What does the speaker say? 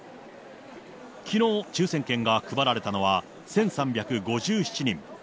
きのう、抽せん券が配られたのは、１３５７人。